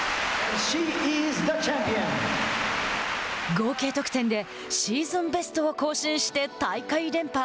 合計得点でシーズンベストを更新して大会連覇。